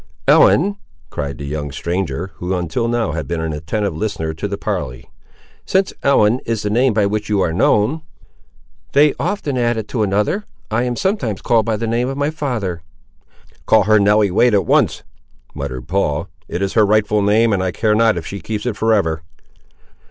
"Ellen!" cried the young stranger, who until now had been an attentive listener to the parley, "since Ellen is the name by which you are known—" "They often add to it another. I am sometimes called by the name of my father." "Call her Nelly Wade at once," muttered Paul; "it is her rightful name, and I care not if she keeps it for ever!"